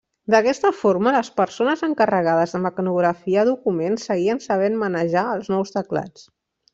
D'aquesta forma, les persones encarregades de 'mecanografiar' documents seguien sabent manejar els nous teclats.